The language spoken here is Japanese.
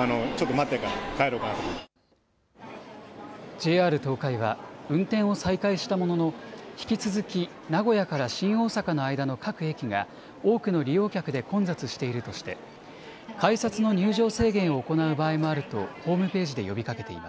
ＪＲ東海は運転を再開したものの引き続き名古屋から新大阪の間の各駅が多くの利用客で混雑しているとして改札の入場制限を行う場合もあるとホームページで呼びかけています。